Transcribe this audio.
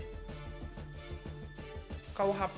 diperoleh kembali dengan rkuhp